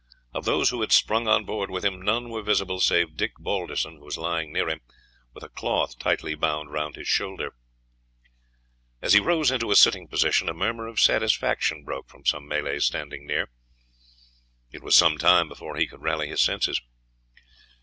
Of those who had sprung on board with him, none were visible save Dick Balderson, who was lying near him, with a cloth tightly bound round his shoulder. As he rose into a sitting position a murmur of satisfaction broke from some Malays standing near. It was some time before he could rally his senses.